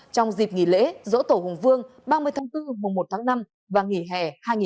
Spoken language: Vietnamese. trong dịp nghỉ lễ dỗ tổ hùng vương ba mươi tháng bốn mùa một tháng năm và nghỉ hè hai nghìn hai mươi bốn